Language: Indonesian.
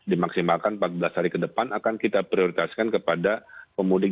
dimaksimalkan empat belas hari ke depan akan kita prioritaskan kepada pemudik